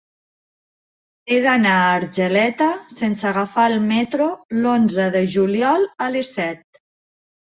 He d'anar a Argeleta sense agafar el metro l'onze de juliol a les set.